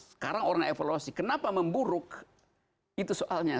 sekarang orangnya evolusi kenapa memburuk itu soalnya